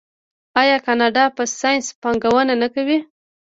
آیا کاناډا په ساینس پانګونه نه کوي؟